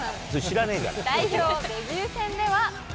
代表デビュー戦では。